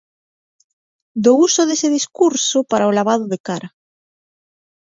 Do uso dese discurso para o lavado de cara.